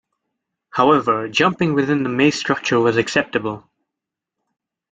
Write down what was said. However, jumping within the maze structure was acceptable.